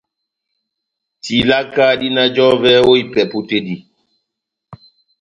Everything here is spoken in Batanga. Tilaka dina jɔvɛ ó ipɛpu tɛ́ dí.